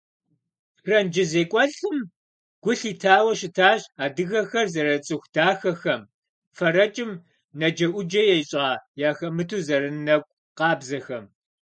Франджы зекӏуэлӏым гу лъитауэ щытащ адыгэхэр зэрыцӏыху дахэхэм, фэрэкӏым наджэӏуджэ ищӏа яхэмыту зэрынэкӏу къабзэхэм.